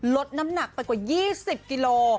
ลดน้ำหนักไปกว่ายี่สิบกิโลกรัม